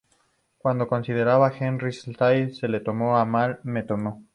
Como consecuencia, Henry Slade se lo tomó a mal, me temo...""